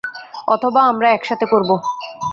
অথবা, আমরা একসাথে করবো।